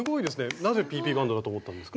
なぜＰＰバンドだと思ったんですか？